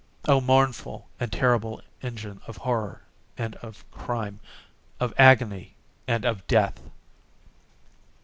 —oh, mournful and terrible engine of Horror and of Crime—of Agony and of Death!